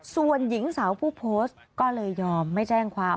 ส่วนหญิงสาวผู้โพสต์ก็เลยยอมไม่แจ้งความ